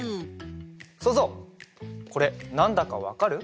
そうぞうこれなんだかわかる？